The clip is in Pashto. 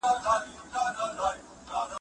د انارو سرې غنچې وحشت خوړلي